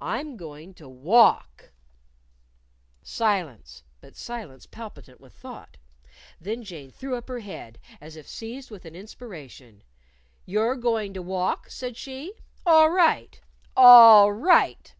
"I'm going to walk." Silence; but silence palpitant with thought. Then Jane threw up her head as if seized with an inspiration. "You're going to walk?" said she. "All right! All right!